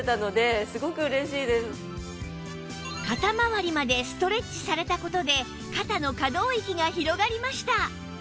肩まわりまでストレッチされた事で肩の可動域が広がりました